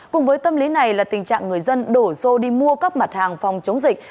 cùng với tâm lý này là tình trạng người dân đổ xô đi mua các mặt hàng phòng chống dịch